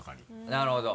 なるほど。